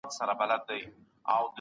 شخصیت په ټولنیز چاپېریال کې وده کوي.